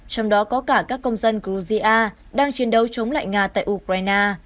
trong đó có cả các công dân georgia đang chiến đấu chống lại nga tại ukraine